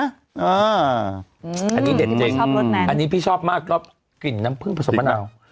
อ่ะอันนี้เด็ดจริงอันนี้พี่ชอบมากก็กลิ่นน้ำผึ้นผสมะนาวเด็ดหรือ